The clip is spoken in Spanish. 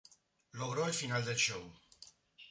Logró el final del show.